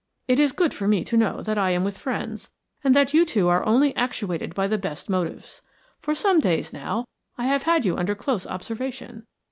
It is good for me to know that I am with friends, and that you two are only actuated by the best motives. For some days now I have had you under close observation.